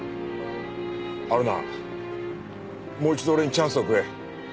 はるなもう一度俺にチャンスをくれ。